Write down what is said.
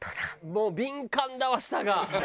もう敏感だわ舌が。